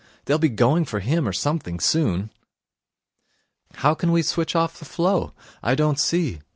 They'll be going for him or something soon.' 'How can we switch off the flow? I don't see.